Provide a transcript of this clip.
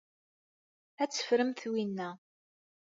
Ad teffremt winna.